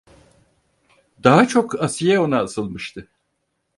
Daha çok Asiye ona asılmıştı.